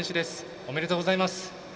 おめでとうございます。